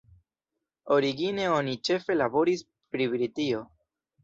Origine oni ĉefe laboris pri Britio.